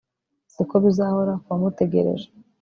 siko bizahora kubamutegereje